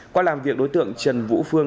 qua làm việc đối tượng trần vũ phương